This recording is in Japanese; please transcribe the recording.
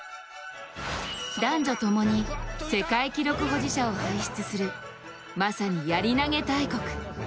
男女ともに世界記録保持者を輩出する、まさにやり投大国。